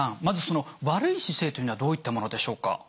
まずその悪い姿勢というのはどういったものでしょうか？